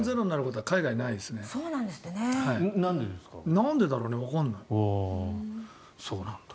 なんでだろうねわからない。